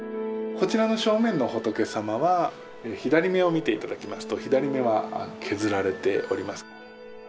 こちらの正面の仏様は左目を見て頂きますと左目は削られております。